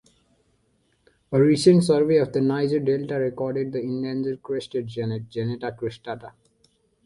A recent survey of the Niger Delta recorded the endangered crested genet ("Genetta cristata").